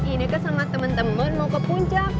ini kan sama temen temen mau ke puncak